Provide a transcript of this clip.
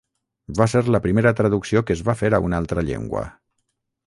Va ser la primera traducció que es va fer a una altra llengua.